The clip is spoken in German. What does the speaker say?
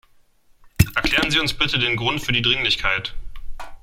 Erklären Sie uns bitte den Grund für die Dringlichkeit.